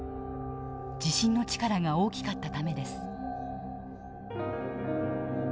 地震の力が大きかったためです。